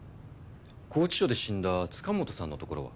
拘置所で死んだ塚本さんのところは？